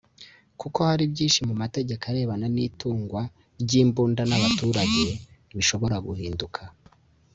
kuko hari byinshi mu mategeko arebana n’itungwa ry’imbunda n’abaturage bishobora guhinduka